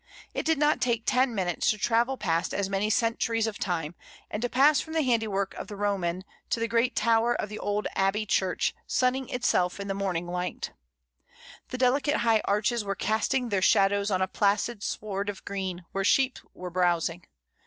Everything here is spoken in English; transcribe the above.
It did not take ten minutes to travel past as many centuries of time, and to pass from the handiwork of the Roman to the great tower of the old abbey church sunning itself in the morning light The delicate high arches were casting their shadows on a placid sward of green, where sheep were browsing.